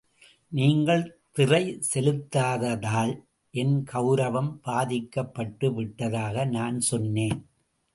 நீங்கள் திறை செலுத்தாததால், என் கவுரவம் பாதிக்கப்பட்டுவிட்டதாக நான் சொன்னேன்!.